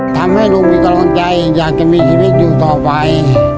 ทำให้ลุงมีกำลังใจอยากจะมีชีวิตอยู่ต่อไป